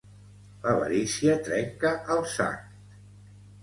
L'avarícia trenca el sac